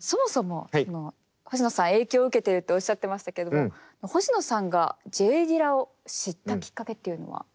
そもそも星野さん影響を受けてるとおっしゃってましたけれども星野さんがＪ・ディラを知ったきっかけっていうのは？